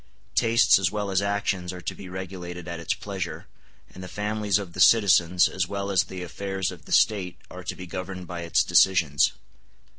Tastes as well as actions are to be regulated at its pleasure; and the families of the citizens as well as the affairs of the State are to be governed by its decisions.